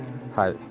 はい？